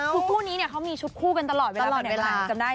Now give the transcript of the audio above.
คุณคู่นี้เนี่ยเขามีชุดคู่กันตลอดเวลาเวลา